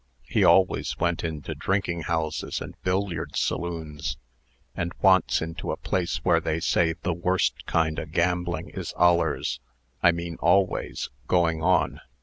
He always went into drinking houses and billiard saloons, and once into a place where they say the worst kind o' gambling is allers I mean always going on.